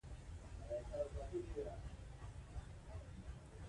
افغانستان د خپلو پسونو له پلوه ډېر متنوع دی.